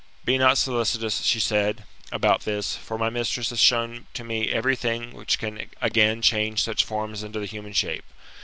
Be not solicitous^ she said, about this; for my mistress has shown to me every thing which can again change such forms infto the human shape.